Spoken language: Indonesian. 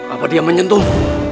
apa dia menyentuhmu